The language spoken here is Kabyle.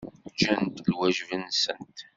Gant lwajeb-nsent.